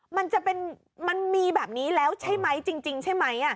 มันจะเป็นมันมีแบบนี้แล้วใช่ไหมจริงใช่ไหม